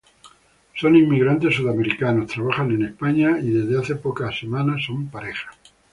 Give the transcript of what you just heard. Son inmigrantes sudamericanos, trabajan en España y desde hace pocas semanas son pareja.